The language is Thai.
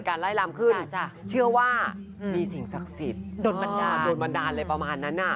โดนบันดาลโดนบันดาลอะไรประมาณนั้น